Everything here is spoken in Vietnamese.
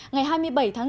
ngày hai mươi bảy tháng bốn